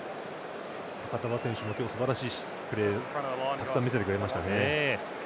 ファカタヴァ選手も今日、すばらしいプレーをたくさん見せてくれましたね。